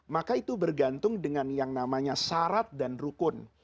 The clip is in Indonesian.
maka itu bergantung dengan yang namanya syarat dan rukun